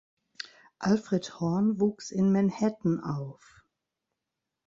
Alfred Horn wuchs in Manhattan auf.